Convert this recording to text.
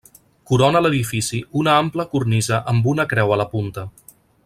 Corona l'edifici una ampla cornisa amb una creu a la punta.